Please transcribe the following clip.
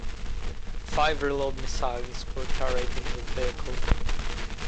Five reload missiles were carried in the vehicle.